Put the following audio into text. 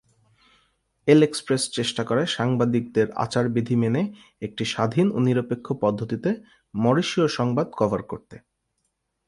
L'Express" চেষ্টা করে সাংবাদিকদের আচার বিধি মেনে, একটি স্বাধীন ও নিরপেক্ষ পদ্ধতিতে মরিশীয় সংবাদ কভার করতে।